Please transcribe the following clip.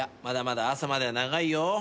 まだまだ朝までは長いよ。